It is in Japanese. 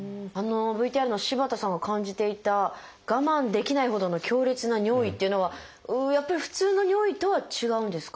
ＶＴＲの柴田さんが感じていた我慢できないほどの強烈な尿意っていうのはやっぱり普通の尿意とは違うんですか？